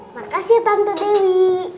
makasih tante dewi